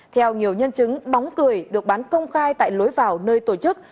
theo nhiều nhân chứng bóng cười được bán công khai tại lối vào nơi tổ chức